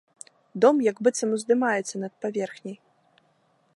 Дом як быццам уздымаецца над паверхняй.